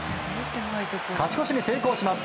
勝ち越しに成功します。